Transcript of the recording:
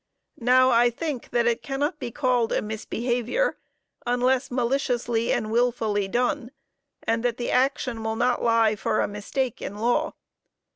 Now I think, that it cannot be called a misbehavior, unless maliciously and wilfully done, and that the action will not lie for a mistake in law.